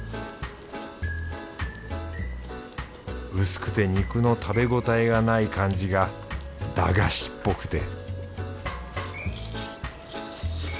薄くて肉の食べ応えがない感じが駄菓子っぽくて